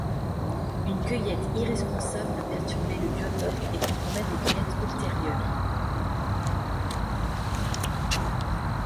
Une cueillette irresponsable peut perturber le biotope et compromettre les cueillettes ultérieures.